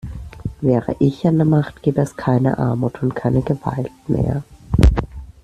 Wäre ich an der Macht, gäbe es keine Armut und keine Gewalt mehr!